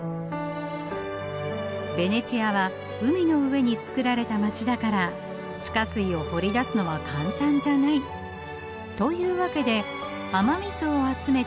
ベネチアは海の上につくられた街だから地下水を掘り出すのは簡単じゃない。というわけで雨水を集めてろ過してためたのがこれ。